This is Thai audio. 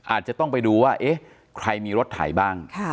อาจจะต้องไปดูว่าเอ๊ะใครมีรถไถบ้าง